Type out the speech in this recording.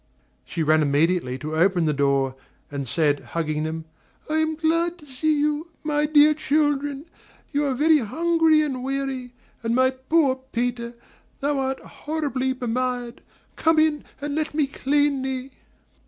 She ran immediately to open the door, and said, hugging them: "I am glad to see you, my dear children; you are very hungry and weary; and my poor Peter, thou art horribly bemired; come in and let me clean thee."